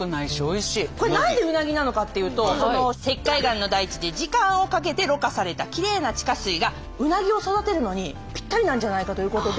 これ何でうなぎなのかっていうと石灰岩の大地で時間をかけてろ過されたきれいな地下水がうなぎを育てるのにぴったりなんじゃないかということで。